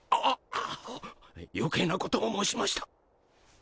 はっ余計なことを申しました。